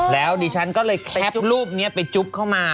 แล้วดิฉันก็เลยแคปรูปนี้ไปจุ๊บเข้ามา